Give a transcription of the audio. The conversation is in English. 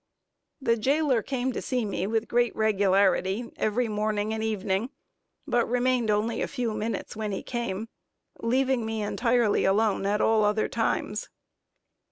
The jailer came to see me with great regularity, every morning and evening, but remained only a few minutes when he came, leaving me entirely alone at all other times.